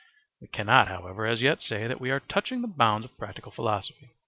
We cannot however as yet say that we are touching the bounds of practical philosophy.